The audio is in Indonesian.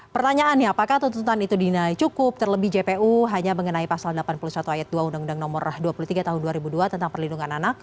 pertanyaannya apakah tuntutan itu dinaik cukup terlebih jpu hanya mengenai pasal delapan puluh satu ayat dua undang undang nomor dua puluh tiga tahun dua ribu dua tentang perlindungan anak